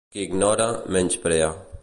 Qui ignora, menysprea.